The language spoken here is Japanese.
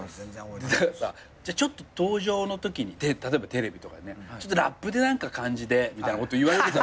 ちょっと登場のときに例えばテレビとかでねちょっとラップで何か感じでみたいなこと言われる。